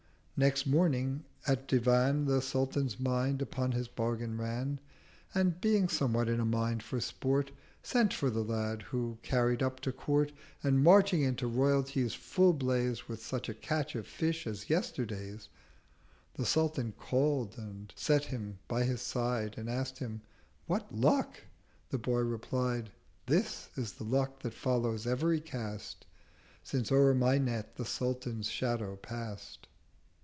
Next morning at Divan The Sultan's Mind upon his Bargain ran, And being somewhat in a mind for sport Sent for the Lad: who, carried up to Court, And marching into Royalty's full Blaze With such a Catch of Fish as yesterday's, The Sultan call'd and set him by his side, And asking him, 'What Luck?' The Boy replied, 'This is the Luck that follows every Cast, 190 Since o'er my Net the Sultan's Shadow pass'd.'